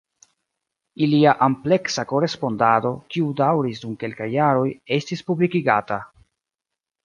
Ilia ampleksa korespondado, kiu daŭris dum kelkaj jaroj, estis publikigata.